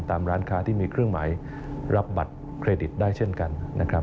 ร้านค้าที่มีเครื่องหมายรับบัตรเครดิตได้เช่นกันนะครับ